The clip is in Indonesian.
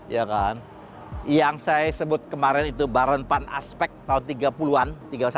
yang saya sebut kemarin itu baranpan aspek tahun tiga puluh an tiga puluh satu